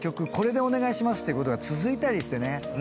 「これでお願いします」ってことが続いたりしてね。